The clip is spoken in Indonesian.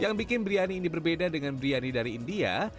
yang bikin biryani ini berbeda dengan biryani dari india